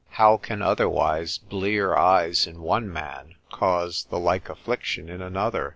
How can otherwise blear eyes in one man cause the like affection in another?